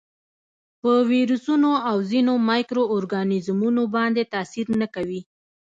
په ویروسونو او ځینو مایکرو ارګانیزمونو باندې تاثیر نه کوي.